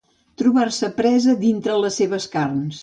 Trobar-se presa dintre les seves carns.